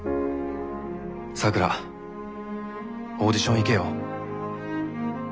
咲良オーディション行けよ。